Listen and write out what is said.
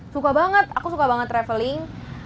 suka banget aku suka banget traveling